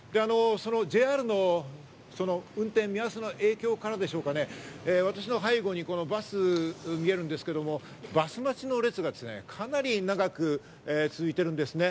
ＪＲの運転見合わせの影響からでしょうか、私の背後にバスが見えるんですけれどもバス待ちの列がかなり長く続いているんですね。